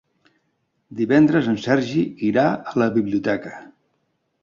Divendres en Sergi irà a la biblioteca.